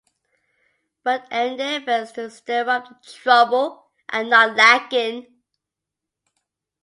But endeavours to stir up trouble are not lacking.